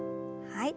はい。